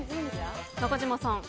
中島さん。